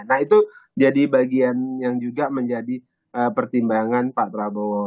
nah itu jadi bagian yang juga menjadi pertimbangan pak prabowo